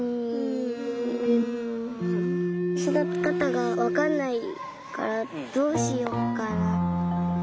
そだてかたがわかんないからどうしようかな。